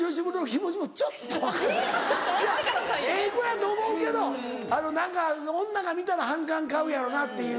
ええ子やと思うけど何か女が見たら反感買うやろなっていう。